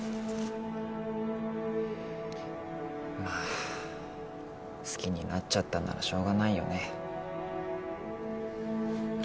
まぁ好きになっちゃったんならしょうがないよね。